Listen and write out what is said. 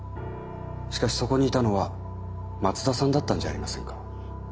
しかしそこにいたのは松田さんだったんじゃありませんか？